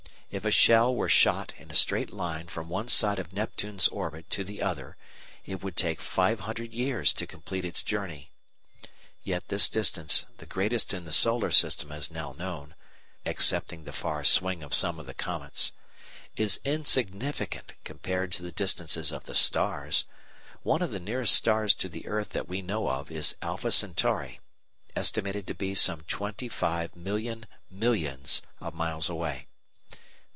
If a shell were shot in a straight line from one side of Neptune's orbit to the other it would take five hundred years to complete its journey. Yet this distance, the greatest in the Solar System as now known (excepting the far swing of some of the comets), is insignificant compared to the distances of the stars. One of the nearest stars to the earth that we know of is Alpha Centauri, estimated to be some twenty five million millions of miles away.